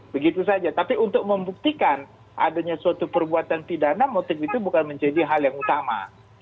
begitu saja tapi untuk membuktikan adanya suatu perbuatan pidana motif itu bukan menjadi hal yang utama